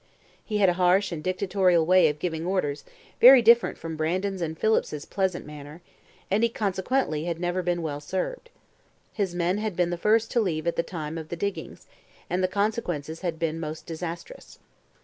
He had a harsh and dictatorial way of giving orders very different from Brandon's and Phillips's pleasant manner and he consequently had never been well served. His men had been the first to leave at the time of the diggings, and the consequences had been most disastrous.